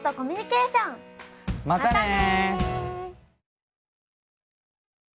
またね！